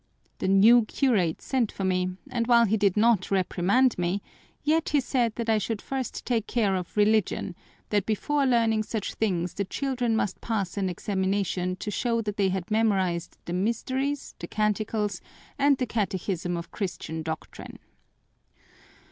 The new curate sent for me, and while he did not reprimand me, yet he said that I should first take care of religion, that before learning such things the children must pass an examination to show that they had memorized the mysteries, the canticles, and the catechism of Christian Doctrine.